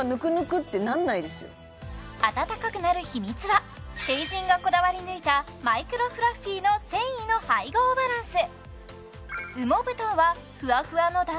あたたかくなる秘密はＴＥＩＪＩＮがこだわり抜いたマイクロフラッフィーの繊維の配合バランス